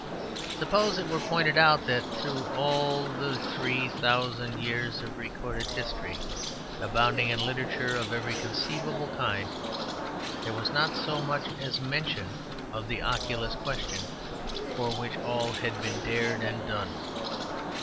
Suppose it were pointed out that through all the three thousand years of recorded history, abounding in literature of every conceivable kind, there was not so much as a mention of the oculist question for which all had been dared and done.